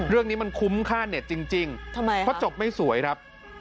เรื่องนี้มันคุ้มค่าเน็ตจริงเพราะจบไม่สวยครับ